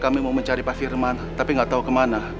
kami mau mencari pak firman tapi gak tau kemana